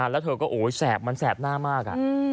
แล้วเธอก็โอ๊ยแสบมันแสบหน้ามาก